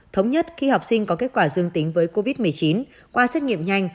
thống nhất khi học sinh có kết quả dương tính với covid một mươi chín qua xét nghiệm nhanh